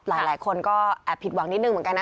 หลายคนก็แอบผิดหวังนิดนึงเหมือนกันนะ